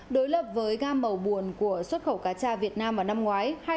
đối lập với gam màu buồn của xuất khẩu cá cha việt nam vào năm ngoái